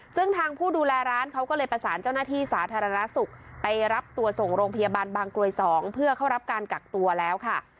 ซึ่งทางผู้ดูแลร้านเขาก็เลยประสานเจ้าหน้าที่สาธารณสุขไปรับตัวส่งโรงพยาบาลบางกรวย๒เพื่อเข้ารับการกักตัวแล้วค่ะ